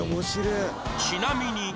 ちなみに